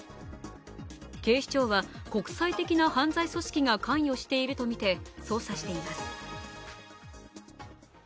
警視庁は国際的な犯罪組織が関与しているとみて捜査しています。